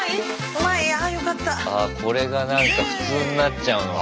これがなんか普通になっちゃうのか。